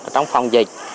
trong phòng dịch